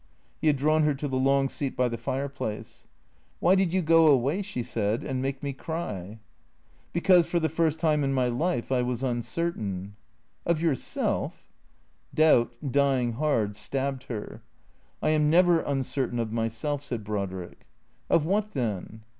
He had drawn her to the long seat by the fireplace. " Why did you go away," she said, " and make me cry ?"" Because, for the first time in my life, I was uncertain." " Of yourself ?" Doubt, dying hard, staljbed her. " I am never uncertain of myself," said Brodrick. "Of what, then?"